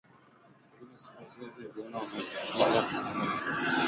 Lakini siku hizi vijana wa Kijita wameacha mila hiyo wakisema